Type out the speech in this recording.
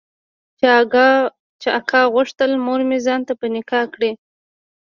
چې اکا غوښتل مورمې ځان ته په نکاح کړي.